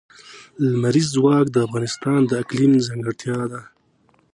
لمریز ځواک د افغانستان د اقلیم ځانګړتیا ده.